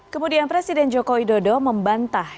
kemudian presiden jokowi dodo membantah